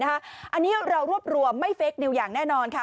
อันนี้เรารวบรวมไม่เฟคนิวอย่างแน่นอนค่ะ